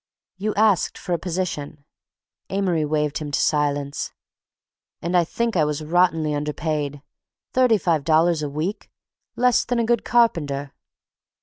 "You asked for a position—" Amory waved him to silence. "And I think I was rottenly underpaid. Thirty five dollars a week—less than a good carpenter."